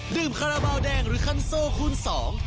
ดื่มคาราเบาแดงหรือคันโซคูณสอง